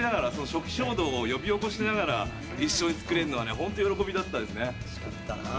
初期衝動を呼び起こしながら一緒に作れるのはホント喜びだった。